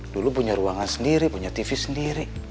dulu punya ruangan sendiri punya tv sendiri